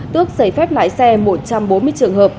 tước giấy phép lái xe một trăm bốn mươi trường hợp